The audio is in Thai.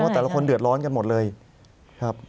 แต่ละคนเดือดร้อนกันหมดเลยครับ